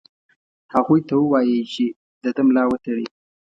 هغوی ته ووايی چې د ده ملا وتړي.